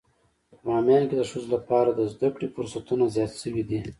په باميان کې د ښځو لپاره د زده کړې فرصتونه زيات شوي دي.